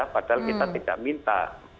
padahal kita tidak minta